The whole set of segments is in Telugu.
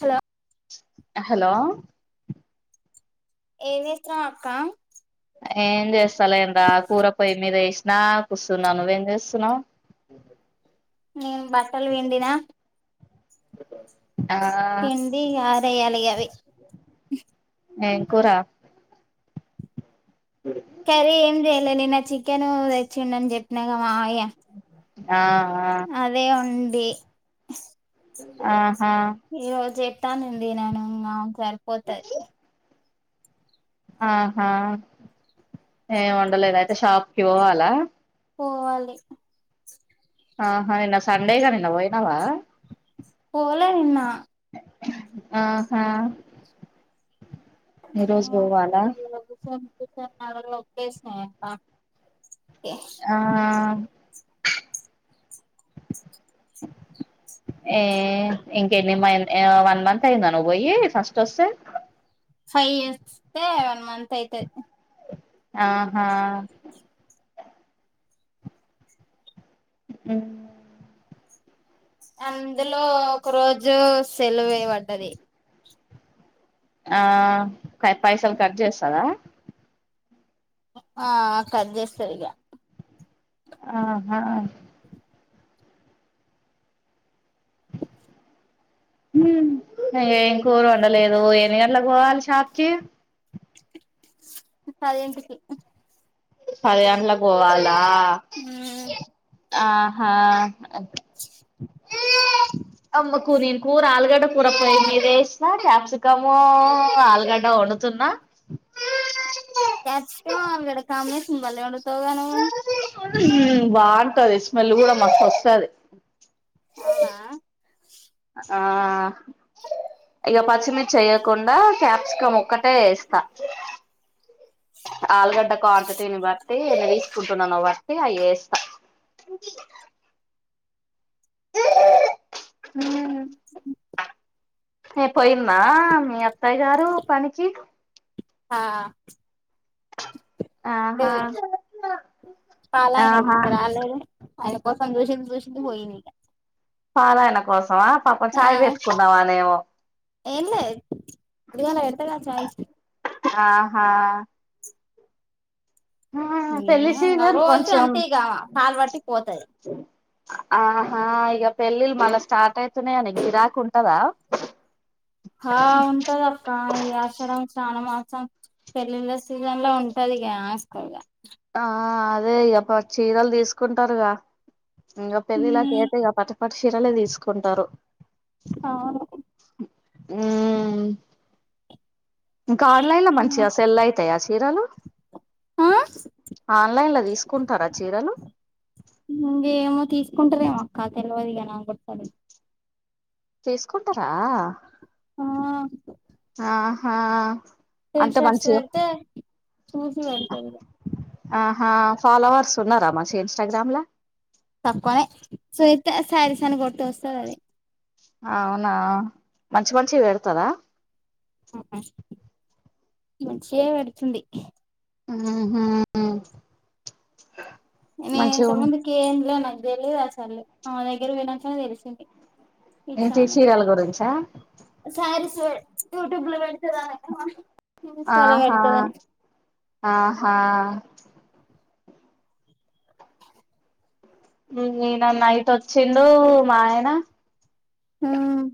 హలో హలో ఏం చేస్తున్నావ్ అక్క? ఏం చేస్తాలేన్ రా కూర పొయ్యి మీద ఏసిన నా కూస్సున్నాను, నువ్వేం చేస్తున్నావు? నేను బట్టలు విండినా ఆ పిండి ఇగ ఆర్ ఏయ్యాలిగ అవి ఏం కూరా? కర్రీ ఏం చెయలే నిన్న చికెన్ తెచ్చి ఉండని చెప్పినాగ మా ఆయ ఆ అదే ఉండి ఆ ఈ రోజు చెప్తానంది నేను ఇంకా సరిపోతది. ఆహా ఏం వండలేదు అంటే షాప్కి పోవాలా? పోవాలి ఆహా నిన్న సండేగా నిన్న పోయినావా? పోలె ఎన్నా ఆహా ఈరోజు వాన [unintelligible] ఆహ [inaudible] ఏ ఇంకెన్ని మన్త్ [unintelligible] వన్ మంత్ అయిందా నువ్వు పోయి ఫస్ట్ వస్తే. ఫైవ్ వస్తే వన్ మంత్ అయితది ఆహా [unintelligible] అందులో ఒక రోజు సెలవేబడ్డది ఆ కై పైసలు కట్ చేస్తదా ఆ కట్ చేస్తదిగా ఆహా [inaudible] [inaudible] హు ఏం కూర వండలేదు ఎన్ని గంటలకు పోవాలి షాప్కి. పది గంటలకి పది గంటలకి పోవాలా ఉమ్ ఆహా. [inaudible] అమ్మకు నేను కూర ఆలుగడ్డ కూర పోయి మీద వేసిన, క్యాప్సికము ఆలుగడ్డ. కొడుతున్నా క్యాప్సికం, ఆలుగడ్డ కాంబినేషన్ భలే వండుతావుగా నువ్వు. హు బావుంటది స్మెల్ కూడా మాస్తోస్తది. అవునా ఆ ఇగ పచ్చిమిర్చి వేయ్యకుండా క్యాప్సికం ఒక్కటే ఎస్తా. ఆల్గడ క్వాంటిటీని బట్టి [unintelligible] తీసుకుంటున్ననో బట్టి అయ్యేస్తా. అ హే పోయింద మీ అత్తయ్య గారు పనికి. హా ఇప్పుడే ఆహా పోయింది పాలయన ఆహా ఇంకా రాలేదు. ఆయన కోసం చూసింది చూసింది పోయింది ఇక. పాలాయన కోసమా పాపం ఆ చాయ్ పెట్టుకుందావానేమో. ఏం లేదు పొద్దుగాల పెడతగా చాయ్ ఆహా ఇం పెళ్లి [unintelligible] సీజన్ రోజు కొంచెం అంతే ఇగామా పాలు పట్టి పోతది. ఆహా ఇగ పెళ్లిళ్లు మల్ల స్టార్ట్యితున్నాయ నిగు గిరాక్ ఉంటదా? హా ఉంటదక్క ఈ ఆశడం శ్రావణమా. సం పెళ్లిల సీజన్ లో ఉంటదిగా. [unintelligible] ఆ అదే ఇగ పట్ చీరలు తీసుకుంటారుగా ఇంగ పెళ్లిళ్లకయితే ఇగ పట్. పట్టు చీరలే తీసుకుంటారు అవును మ్ మ్ ఇంకా ఆన్లైన్లో మంచిగా సెల్ అయితాయా చీరలు. ఆ ఆన్లైన్ లో తీసుకుంటారా చీరలు? కుంటారేమో అక్క తెల్వదిగ నాగుక్క అది తీసుకుంటారా ఆ ఆహా! అంత స్క్రీన్షర్ట్స్ మంచిగా పెడితే చూసి పెడతదిగా. ఆహా ఫాలోవర్స్ ఉన్నారా మంచిగా ఇన్స్టాగ్రామ్లా. తక్కువనే [unintelligible] త శారీసని కొట్టు వస్తది అదే. అవునా మంచి మంచియి వెడతదా మంచియే వెడుతుంది ఉహ్మ్ నేను ఇంత ముందుకి ఏంలే నాకు దెలీదు అసలు ఆమె దగ్గరికి పోయినంకనే తెలిసింది ఇట్లా ఏంటి అని షీరాల గురించా శారీస్ యూట్యూబ్ లో పెడ్తదని అమ్మ ఆహా ఆహా ఈన నైట్ అచ్చిండు మా ఆయన ఉమ్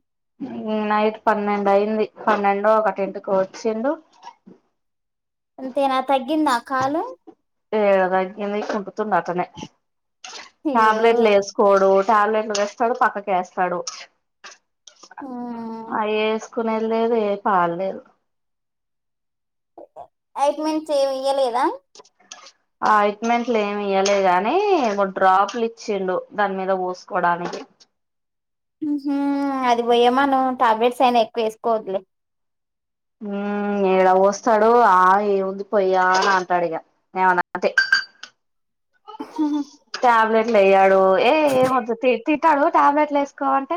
నైట్ పన్నెండు అయింది పన్నెండో ఒకటింటికో వచ్చిండు అంతే నా తగ్గింది నా కాలు ఏడ తగ్గింది ఇంక్కుబ్బుతుంది అట్లేనే అయ్యో టాబ్లెట్లు ఎసుకోడు టాబ్లెట్లు తెస్తడు పక్కకు ఎస్తాడు ఉమ్ అయ్యేస్ కునేద్ లేదు ఏ పాడ్లేదు ఐట్మెన్స్ ఏం ఇయ్యలేదా ఆ అట్మెంట్లు ఏమి ఇయ్యలే గాని ఒగ డ్రాప్లు ఇచ్చిండు దాని మీద పోసుకోడానికి అది పోయమాను టాబ్లెట్స్ అయినా ఎక్కువ వేసుకోవద్లే ఉమ్ ఏడ పోస్తాడు ఆ ఏముంది పోయ్యా అని అంటాడు ఇగ నేమన్నంటే టాబ్లెట్లు ఎయ్యాడు ఏ ఏమద్ తియ్ తింట్టాడు టాబ్లెట్లు వేసుకో అంటే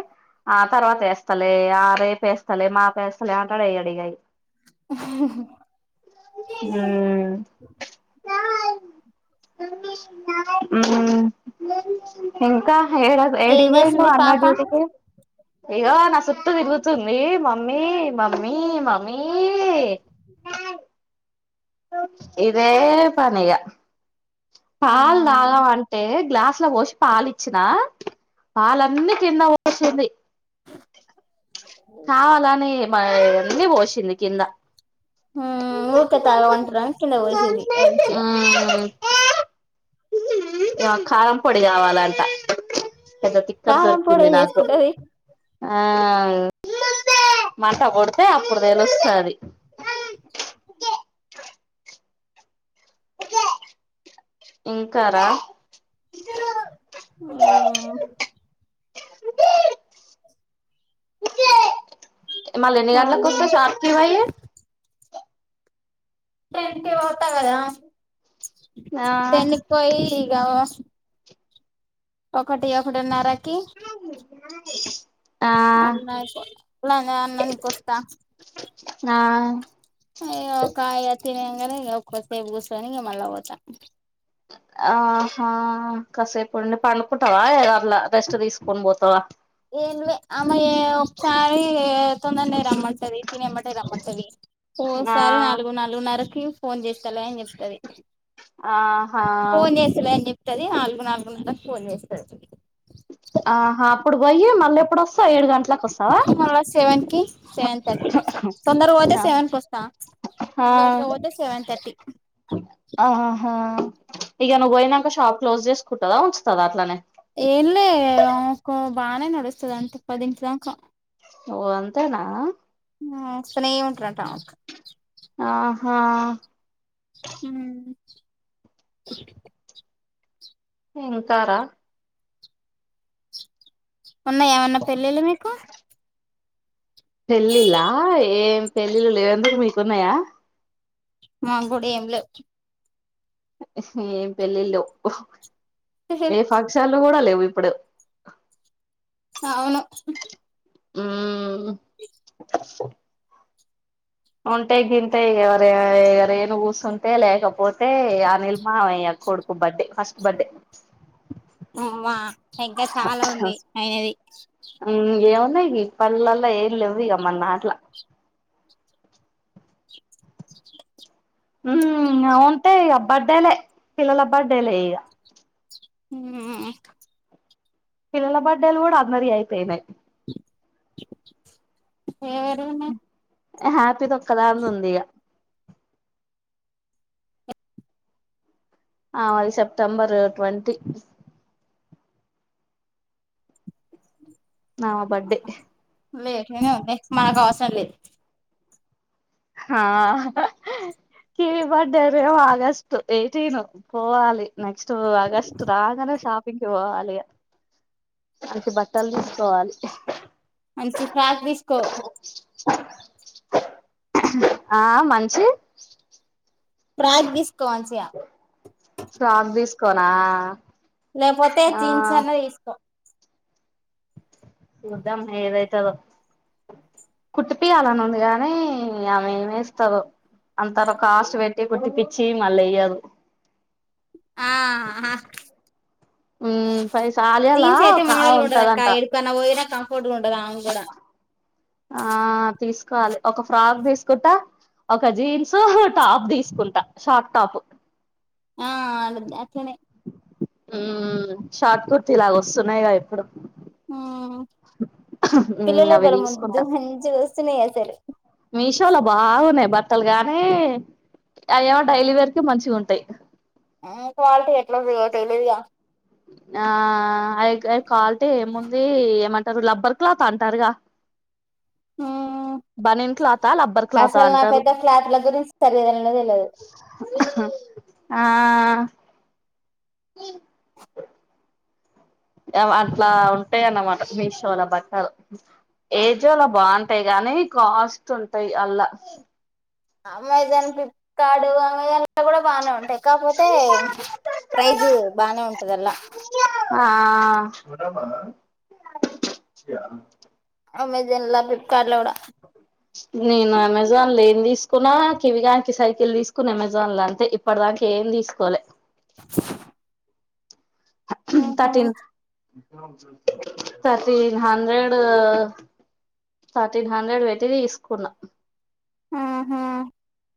ఆ తర్వాత ఎస్తలే ఆ రేపెస్తలే మాపేస్తలే అంటాడు ఇగ ఎయ్యడిగా ఉం ఉమ్ ఇంకా ఎడ ఏం ఏడిగిపోయిండు చేస్తుంది అన్న పాప డ్యూటికి ఇగో నా చుట్టూ తిరుగుతుంది మమ్మీ మమ్మీ మమ్మీ ఇదే పని ఇగా పాలు ఉమ్ దాగమంటే గ్లాస్ స్లా పోషి పాలిచ్చినా పాలన్నీ కింద ఓసింది కావాలని మ అన్నీ పోసింది కింద ఉ ఊకే తాగుమంటారని కింద పోషింది మంచిగా మ్మ్ కారం పొడి కావాలంట పెద్ద కారం పొడి తిక్కల్దొరికింది ఏం నాకు చేసుకుంటది ఆ మంట కొడితే అప్పుడు తెలుస్తది ఇంకారా అ మల్ల ఎన్ని గంట్లోకి వస్తా అదేనే షాప్కి బోయ్యి టెన్కి పోతా గదా ఆ టెన్కి పోయి ఇగ ఒకటి ఒకటిన్నరకి న అన్నాయిపో మనే అన్ననికిొస్తా ఆ అయ్యో కాయో తినంగానే ఒక్కసేపు కూసోని ఇగా మళ్ళా పోతాం ఆహా కాసేపుండి పండుకుంటావా ఏయో అట్ల రెస్ట్ తీసుకొని బోతావా ఏం లే అమె ఒక్సారి తొందర్నె రమ్మంటది తిని ఎమ్మటె రమ్మంటది ఆ ఓసారి నాలుగు నాలుగున్నరకి ఫోన్ చేస్తాల అని చెప్తది ఆహా తది నాలుగు నాలుగున్నారకి ఫోన్ చేస్తది ఆహా అప్పుడు పోయి మళ్ళీ ఎప్పుడోస్తావ్ ఏడు గంటలకు వస్తవా మళ్ళ సెవెన్ కి సెవెన్ థర్టీ తొందర వోతే సెవెన్కోస్తా ఆ లేట్ గా వోతే సెవెన్ థర్టీ ఆహ్ ఇగ నువ్ పోయినంక షాప్ క్లోజ్ చేసుకుంటదా ఉంచుతదా అట్లనే ఏంలే అవకు బానే నడుస్తది అంత పదిటి దాకా ఓ అంతేనా ఓస్తానే ఉంటారటా ఆమెకు హా హ్మ్ ఇంకారా ఉన్నాయా ఏమన్నా పెళ్ళిళ్లూ మీకు పెళ్ళిళ్ళ ఏం పెళ్ళిళ్ళు లేవు ఎందుకు మీకున్నాయా మా కూడ ఏం లేవ్ ఏం పెళ్ళిళ్ళు లేవ్ ఏ ఫంక్షన్లు కూడా లేవు ఇప్పుడు అవును ఉమ్ ఉంటే గింతే ఎవరే రేణు కుసుంటే లేకపో తే అనిల్ మామయ్య కొడుకు బర్త్డే ఫస్ట్ బర్డే ఓ మా ఇంకా చాలా ఉన్నాయి అయ్యేది ఇగ ఇప్పట్లల్ల ఏం లేవ్ మందంట్లా హ్మ్ ఉంటే ఇగ బర్డేలే పిల్లల బర్డేలే ఈగ హ్మ్ పిల్లల బర్డేలు కూడా అందరియీ అయిపోయినాయి ఎవరియున్నాయి హ్యాపీది ఒక్కదాంది ఉంది ఇగ ఆమెది సెప్టెంబరు ట్వంటీ ఆమె బర్త్డే లేట్నేగనే ఉంది మనకు అవసరం లేదు హా కివీ బర్త్డే ఏమో ఆగస్ట్ ఎయిటీన్ పోవాలి నెక్స్ట్ ఆగస్ట్ రాగానే షాపింగ్ కి పోవాలిగా [inaudible] మంచి బట్టలు తీసుకోవాలి మంచి ఫ్రాక్ తీసుకో [inaudible] ఆ మంచి ఫ్రాగ్ తీసుకో మంచిగా కోనా లేపోతే జీన్స్ అన్న తీసుకో చూద్దాం ఏదైతదో కుట్టిపియ్యలని ఉంది గానీ ఆమె ఏమేస్తదో అంతర కాస్ట్ పెట్టి కుట్టికిచ్చి మళ్ళ ఇయ్యదు అ అహ పైస ఆలియాలా జీన్స్ అయితే ఒక మములుగ ఉండదక్క ఉంటదంట ఎడికన్నా పోయి కం ఫాగా ఉంటది ఆమెకూడా కోవాలి ఒక ఫ్రాక్ తీసుకుంటా ఒక జీన్స్ టాప్ తీసుకుంటా షార్ట్ టాప్ ఆ అద్ అట్లనే మ్ షార్ట్ కుర్తి లాగ వస్తున్నాయిగా ఇప్పుడు అ మ్మ్ పిల్లల అవి బలే ముద్దు తీసుకుంటా మంచిగోస్తున్నాయి అసలు మీషోలో బాగున్నాయి బట్టలు గానీ అయ్యేమో డైలీ వేర్కే మంచిగా ఉంటాయి అ క్వాలిటీ ఎట్లాంటిదో తెలిదుగా ఆ అవి అవి కాల్టి ఏముంది ఏమం టర్ రబ్బర్ క్లాత్ అంటారుగా అ బనిన్ క్లాతా లబ్బర్ క్లాతా అసలు అంటారు నాకైతే క్లాత్ల గురించి సరిగా తెలువనే తెలువదు ఆహా ఆ ఉ [inaudible] అవ్ అట్లా ఉంటాయన్నమాట మీషోలా బట్టలు ఏజోలా బాగుంటాయి కానీ కాస్ట్ ఉంటాయి అల్లా అమెజాన్ ఫ్లిప్కార్డు అమెజాన్ ల కూడా బానే ఉంటాయి కాకపోతే ప్రైజ్ బానే ఉంటది అల్లా ఆ అమెజాన్ ఫ్లిప్కార్ట్ ల కుడ నేను అమెజాన్ ల ఏం తీసుకున్నా కివిగానికి సైకిల్ తీసుకున్న అమెజాన్ ల అంతే ఇప్పటి దాక ఏం తీసుకోలే [inaudible] అ హా thirteen thirteen hundred thirteen hundred పెట్టి తీసుకున్నా ఆహా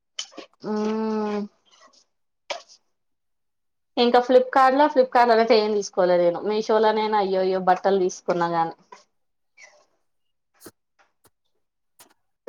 మ్ ఇంకా ఫ్లిప్కార్ట్ ల ఫ్లిప్కార్ట్ అయితే ఏం తీసుకోలే నేను మీషోలనైన అయ్యో ఇయ్యో బట్టలు తీసుకున్నా గానీ [inaudible]